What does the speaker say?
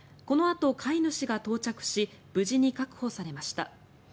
このあと飼い主が到着し無事に確保されました。